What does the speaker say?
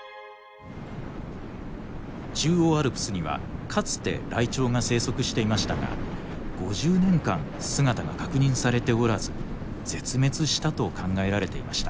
中央アルプスにはかつてライチョウが生息していましたが５０年間姿が確認されておらず絶滅したと考えられていました。